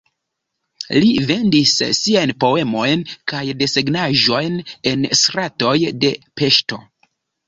Li vendis siajn poemojn kaj desegnaĵojn en stratoj de Peŝto.